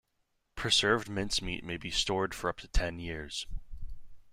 Preserved mincemeat may be stored for up to ten years.